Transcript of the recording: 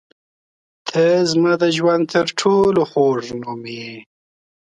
• ته زما د ژوند تر ټولو خوږ نوم یې.